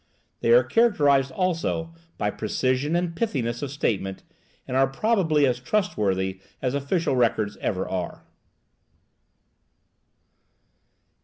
They are characterized also by precision and pithiness of statement, and are probably as trust worthy as official records ever are.